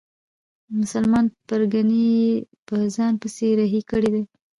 مسلمانې پرګنې یې په ځان پسې رهي کړي دي.